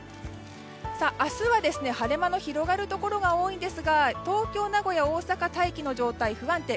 明日は晴れ間の広がるところが多いんですが東京、名古屋、大阪は大気の状態が不安定。